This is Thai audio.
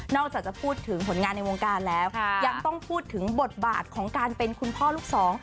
อกจากจะพูดถึงผลงานในวงการแล้วยังต้องพูดถึงบทบาทของการเป็นคุณพ่อลูกสอง